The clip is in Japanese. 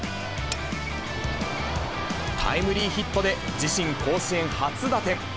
タイムリーヒットで、自身、甲子園初打点。